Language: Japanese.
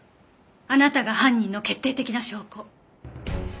あなたが犯人の決定的な証拠。